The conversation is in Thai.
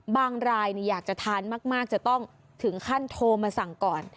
บางรายอยากจะทานมากจะต้องถึงขั้นโทรมาสั่งก่อน